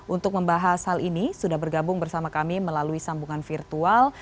untuk membahas hal ini sudah bergabung bersama kami melalui sambungan virtual